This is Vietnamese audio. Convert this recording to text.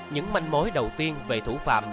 những manh mối đầu tiên về thủ phạm